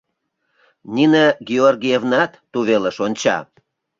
Нина Георгиевнат тувелыш онча.